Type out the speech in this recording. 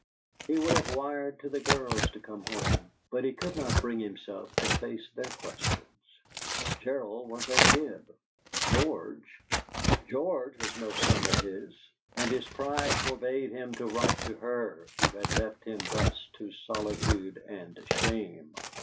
He would have wired to the girls to come home, but he could not bring himself to face their questions. Gerald was at Gib! George George was no son of his! and his pride forbade him to write to her who had left him thus to solitude and shame.